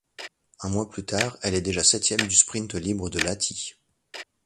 Un mois plus tard, elle est déjà septième du sprint libre de Lahti.